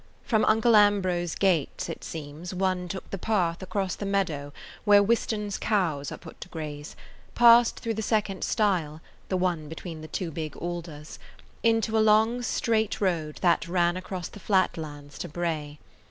From Uncle Ambrose's gates, it seems, one took the path across the meadow where Whiston's cows are put to graze, passed through the second stile–the one between the two big alders–into a long straight road that ran across the flat lands to Bray.